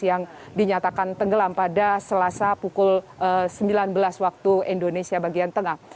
yang dinyatakan tenggelam pada selasa pukul sembilan belas waktu indonesia bagian tengah